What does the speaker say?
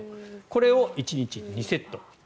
これを１日２セット。